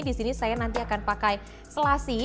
di sini saya nanti akan pakai selasi